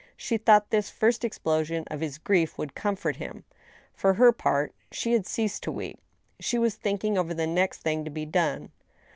She thought this first explosion of his grief would comfort him. For her part, she had ceased to weep ; she was thinking over the next thing to be done.